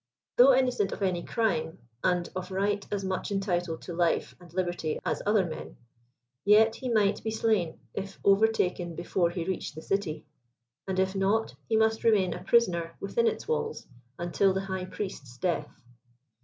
Though innocent of any crime, and of right as much entitled to life and liberty as other men, yet he might be slain if overtaken before he reached the city ; and if not, he must remain a prisoner within its walls until the high priest's death.